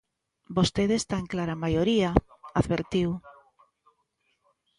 Vostede está en clara maioría, advertiu.